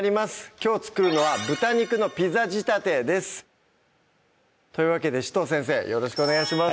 きょう作るのは「豚肉のピザ仕立て」ですというわけで紫藤先生よろしくお願いします